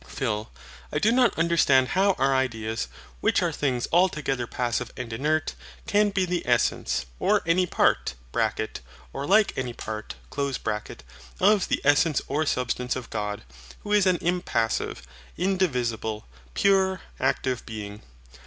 PHIL. I do not understand how our ideas, which are things altogether passive and inert, can be the essence, or any part (or like any part) of the essence or substance of God, who is an impassive, indivisible, pure, active being.